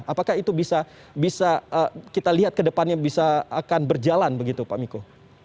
apakah itu bisa kita lihat ke depannya bisa akan berjalan begitu pak miko